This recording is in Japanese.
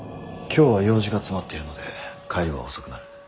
今日は用事が詰まっているので帰りは遅くなる。